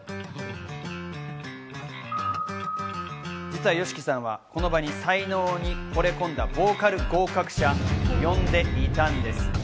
実はＹＯＳＨＩＫＩさんは、この場に才能にほれ込んだ、ボーカル合格者を呼んでいたんです。